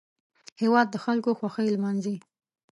هېواد د خلکو خوښۍ لمانځي